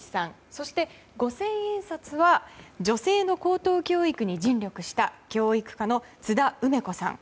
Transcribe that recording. そして五千円札は女性の高等教育に尽力した教育家の津田梅子さん。